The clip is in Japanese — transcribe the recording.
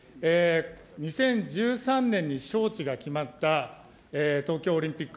２０１３年に招致が決まった、東京オリンピック。